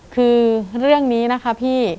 คือเรื่องนี้นะคะพี่